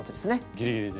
ぎりぎりで。